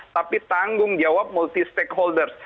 tapi tanggung jawab multi stakeholders